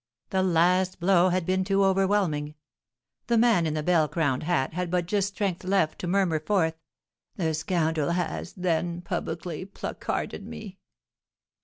The last blow had been too overwhelming, the man in the bell crowned hat had but just strength left to murmur forth, "The scoundrel has, then, publicly placarded me!"